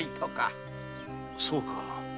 そうか。